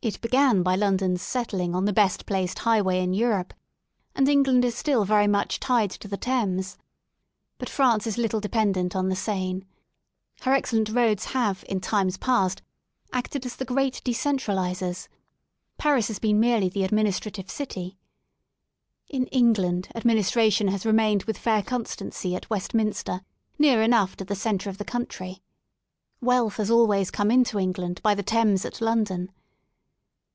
It began by London's settling on the best placed high way in Europe, and England is still very much tied to the Thames. But France is little dependent on the Seine. Her excellent roads have in times past acted as the great decentralise rs; Paris has been merely the administrative city. In England administration has remained with fair constancy at Westminster, near enough to the centre of the country. Wealth has al ways come into England by the Thames at London.